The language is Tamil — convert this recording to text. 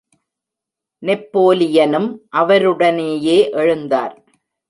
நெப்போலியனும் அவருடனேயே எழுந்தார்.